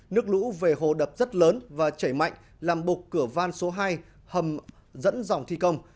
nước lũ về hồ đập rất lớn và chảy mạnh làm bục cửa van số hai dẫn dòng thi công